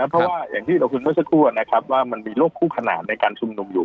เพราะว่าอย่างที่เราคุยเมื่อสักครู่นะครับว่ามันมีโรคคู่ขนานในการชุมนุมอยู่